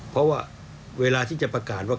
เพราะว่าเวลาที่จะประกาศว่า